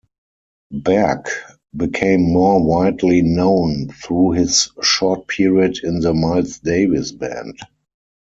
Berg became more widely known through his short period in the Miles Davis band.